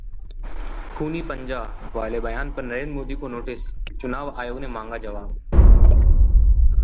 'खूनी पंजा' वाले बयान पर नरेंद्र मोदी को नोटिस, चुनाव आयोग ने मांगा जवाब